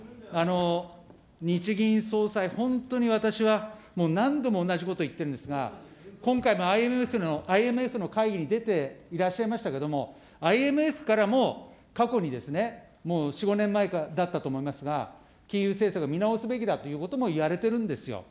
日銀総裁、本当に私はもう何度も同じこと言ってるんですが、今回もＩＭＦの会議に出ていらっしゃいましたけども、ＩＭＦからも、過去にですね、もう４、５年前だったと思いますが、金融政策見直すべきだということを言われてるんですよ。